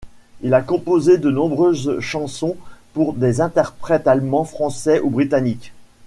Il a composé de nombreuses chansons pour des interprètes allemands, français ou britanniques.